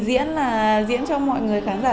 diễn là diễn cho mọi người khán giả